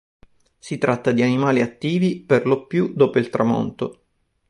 Si tratta di animali attivi perlopiù dopo il tramonto.